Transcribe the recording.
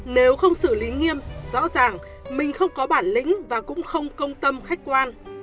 nếu không xử lý nghiêm rõ ràng mình không có bản lĩnh và cũng không công tâm khách quan